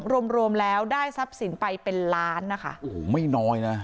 รวมรวมแล้วได้ทรัพย์สินไปเป็นล้านนะคะโอ้โหไม่น้อยนะ